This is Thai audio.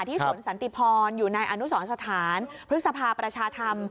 ที่สวนสันติพรอยู่ในอนุสรรศาสตร์ภฤษภาประชาธรรม